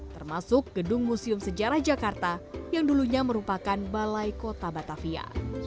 termasuk gedung museum sejarah jakarta yang dulunya merupakan balai kota batavia